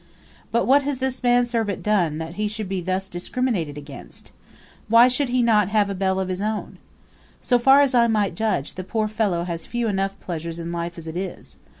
But what has the manservant done that he should be thus discriminated against? Why should he not have a bell of his own? So far as I might judge, the poor fellow has few enough pleasures in life as it is.